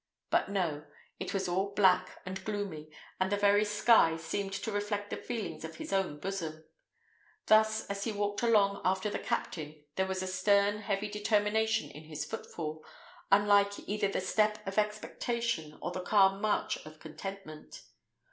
But, no; it was all black and gloomy, and the very sky seemed to reflect the feelings of his own bosom. Thus, as he walked along after the captain, there was a stern, heavy determination in his footfall, unlike either the light step of expectation or the calm march of contentment.